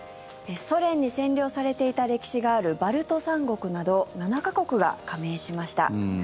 ソ連に占領されていた歴史があるバルト三国など７か国が加盟しました。